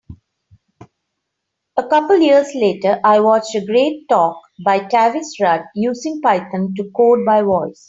A couple years later I watched a great talk by Tavis Rudd, Using Python to Code by Voice.